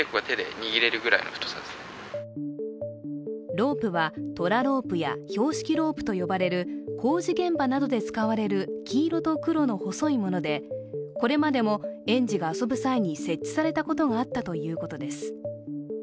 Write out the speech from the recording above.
ロープはトラロープや標識ロープと呼ばれる工事現場などで使われる黄色と黒の細いものでこれまでも園児が遊ぶ際に設置されたことがあったということです。